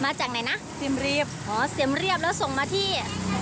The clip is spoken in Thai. มาจากไหนนะสิมเรียบอ๋อสิมเรียบแล้วส่งมาที่